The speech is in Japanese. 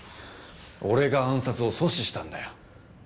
俺が暗殺を阻止したんだよ。